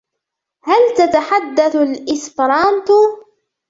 هل تتحدث الإسبرانتو ؟